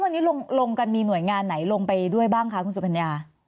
วันนี้ลงกันมีหน่วยงานไหนลงไปด้วยบ้างคะคุณสุพัญญา